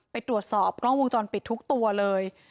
ไปตรวจสอบกล้องวงจรปิดทุกตัวเลย